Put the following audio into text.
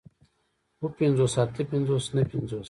اووه پنځوس اتۀ پنځوس نهه پنځوس